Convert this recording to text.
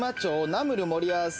ナムル盛り合わせ。